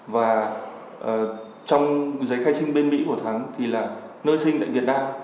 và trong giấy khai sinh bên mỹ của thắng thì là nơi sinh tại việt nam